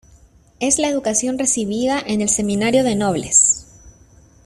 es la educación recibida en el Seminario de Nobles.